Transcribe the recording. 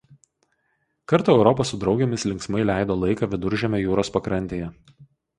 Kartą Europa su draugėmis linksmai leido laiką Viduržemio jūros pakrantėje.